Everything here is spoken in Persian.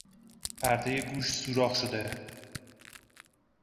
پردهی گوش سوراخ شده